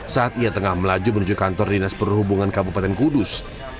saat ia tengah melaju menuju kantor dinas perhubungan kabupaten kudus